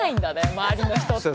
周りの人って。